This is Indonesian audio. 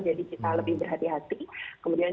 kita lebih berhati hati kemudian